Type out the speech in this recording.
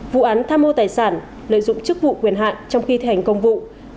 vụ án tham mô tài sản lợi dụng chức vụ quyền hạn trong khi thi hành công vụ